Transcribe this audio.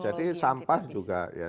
jadi sampah juga ya